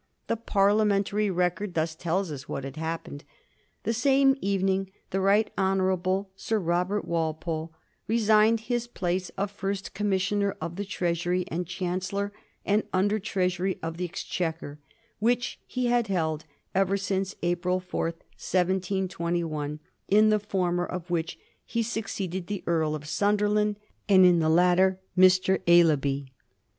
The Parlia mentary record thus tells us what had happened: "The same evening the Right Honorable Sir Robert Walpole resigned his place of First Commissioner of the Treasury and Chancellor and Under Treasurer of the Exchequer, which he had held ever since April 4, 1721, in the former of which he succeeded the Earl of Sunderland, and in the latter Mr. Aislabie."